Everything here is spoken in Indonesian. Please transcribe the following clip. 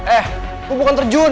eh gue bukan terjun